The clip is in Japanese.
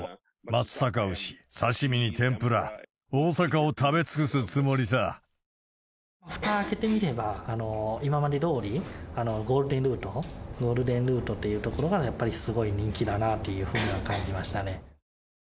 松阪牛、刺身に天ぷら、ふた開けてみれば、今までどおり、ゴールデンルート、ゴールデンルートっていうところが、やっぱりすごい人気だなというふうには感じましたね。